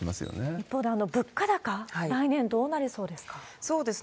一方で物価高、来年、どうなりそうですか？